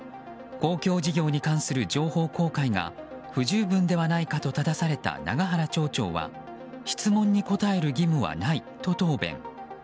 公共事業に関する情報公開が不十分ではないかとただされた永原町長は質問に答える義務はないと答弁。